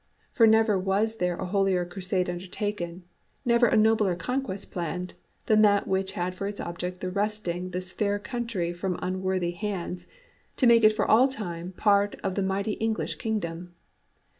For never was there a holier crusade undertaken, never a nobler conquest planned, than that which had for its object the wresting this fair country from unworthy hands, to make it for all time part of the mighty English kingdom.